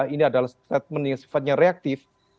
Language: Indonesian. ini adalah statement yang sifatnya reaktif